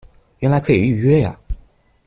原来可以预约呀